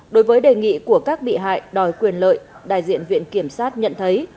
đối với đề nghị của các bị hại đòi quyền lợi đại diện viện kiểm sát nhận thấy